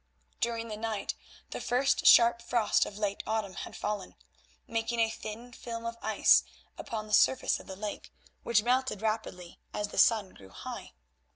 During the night the first sharp frost of late autumn had fallen, making a thin film of ice upon the surface of the lake, which melted rapidly as the sun grew high.